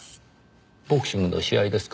ボクシングの試合ですか。